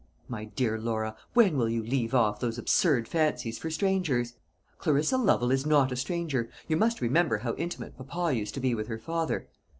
"My dear Laura, when will you leave off those absurd fancies for strangers?" "Clarissa Lovel is not a stranger; you must remember how intimate papa used to be with her father."